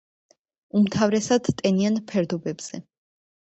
უმთავრესად ტენიან ფერდობებზე.